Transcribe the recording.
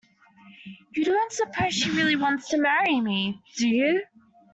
You don't suppose she really wants to marry me, do you?